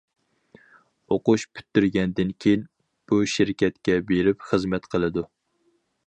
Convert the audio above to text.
ئوقۇش پۈتتۈرگەندىن كېيىن بۇ شىركەتكە بېرىپ خىزمەت قىلىدۇ.